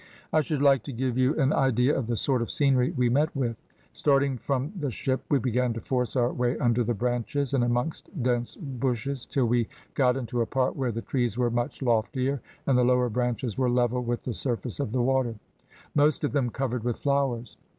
"I should like to give you an idea of the sort of scenery we met with. Starting from the ship, we began to force our way under the branches and amongst dense bushes, till we got into a part where the trees were much loftier, and the lower branches were level with the surface of the water, most of them covered with flowers.